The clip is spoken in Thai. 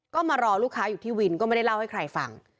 ก็มารอลูกค้าอยู่ที่วินก็ไม่ได้เล่าให้ใครฟัง